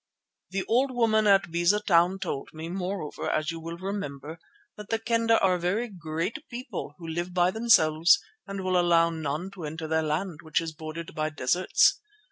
The old woman at Beza Town told me, moreover, as you will remember, that the Kendah are a very great people who live by themselves and will allow none to enter their land, which is bordered by deserts.